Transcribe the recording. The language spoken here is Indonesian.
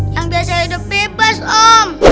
yang biasa hidup bebas om